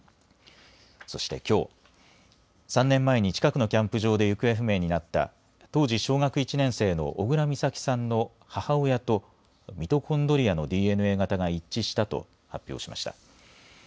そしてきょう、３年前に近くのキャンプ場で行方不明になった当時小学１年生の小倉美咲さんの母親と、ミトコンドリアのＤＮＡ型が一致したと発表しました。